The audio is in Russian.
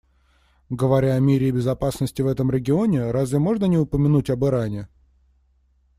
Говоря о мире и безопасности в этом регионе, разве можно не упомянуть об Иране?